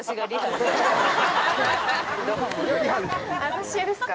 私ですか？